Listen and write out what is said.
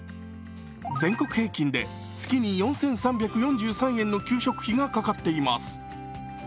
全国平均で月に４３４０円の給食費がかかっています。